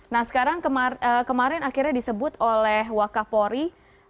nah sekarang kemarin akhirnya disebut oleh wakaf pusat